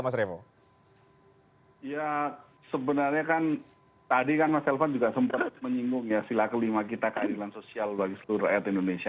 ya sebenarnya kan tadi kan mas elvan juga sempat menyinggung ya sila kelima kita keadilan sosial bagi seluruh rakyat indonesia